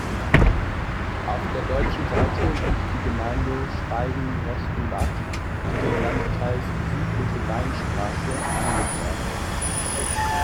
Auf der deutschen Seite liegt die Gemeinde Schweigen-Rechtenbach, die dem Landkreis Südliche Weinstraße angehört.